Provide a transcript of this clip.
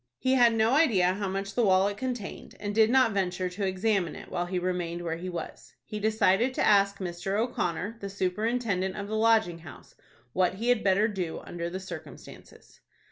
He had no idea how much the wallet contained, and did not venture to examine it while he remained where he was. He decided to ask Mr. O'Connor, the superintendent of the Lodging House, what he had better do under the circumstances.